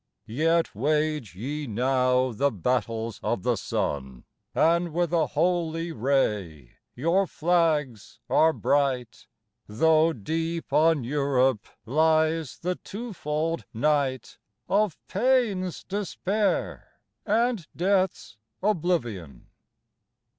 Yet wage ye now the battles of the sun And with a holy ray your flags are bright, Tho deep on Europe lies the two fold night Of pain s despair and death s oblivion.